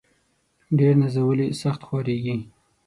ډير نازولي ، سخت خوارېږي.